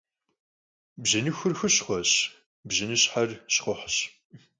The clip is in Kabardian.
Bjınıxur xuşxhueş, bjınışher şxhuhş.